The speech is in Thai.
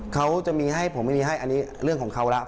เขาจะมีให้ผมไม่มีให้อันนี้เรื่องของเขาแล้ว